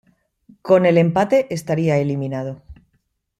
Con el empate estaría eliminado.